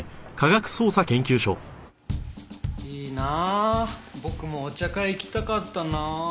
いいなあ僕もお茶会行きたかったなあ。